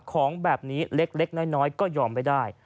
ของแบบนี้เล็กน้อยก็ยอมไม่ได้